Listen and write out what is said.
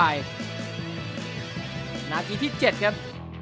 ตะเดียโชคนาทีที่๗ครับ